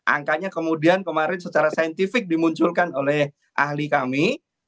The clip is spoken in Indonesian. angkanya kemudian kemarin secara saintifik dimunculkan oleh ahli kami